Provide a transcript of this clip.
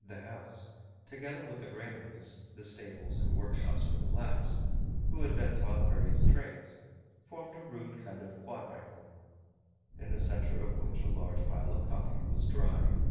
The house, together with the granaries, the stables, and workshops for the blacks, who had been taught various trades, formed a rude kind of quadrangle; in the centre of which a large pile of coffee was drying.